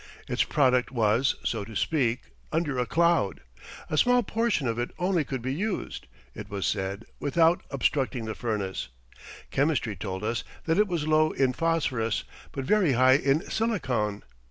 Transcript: Its product was, so to speak, under a cloud. A small portion of it only could be used, it was said, without obstructing the furnace. Chemistry told us that it was low in phosphorus, but very high in silicon.